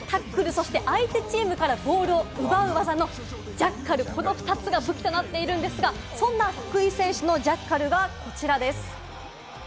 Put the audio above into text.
そして相手チームからボールを奪う技のジャッカル、この２つが武器となっているんですが、そんな福井選手のジャッカルはこちらです。